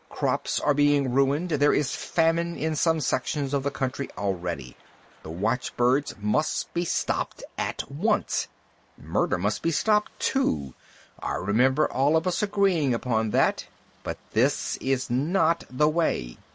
Crops are being ruined. There is famine in some sections of the country already. The watchbirds must be stopped at once!" "Murder must be stopped, too. I remember all of us agreeing upon that. But this is not the way!"